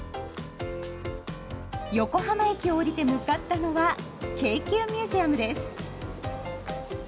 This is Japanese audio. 横浜駅を降りて向かったのは京急ミュージアムです。